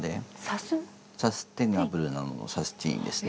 サステナブルのサステインですね。